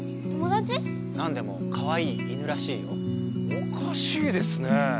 おかしいですねえ。